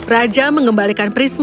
raja mengembalikan prisma